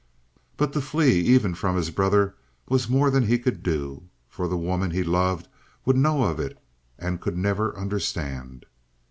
But to flee even from his brother was more than he could do; for the woman he loved would know of it and could never understand.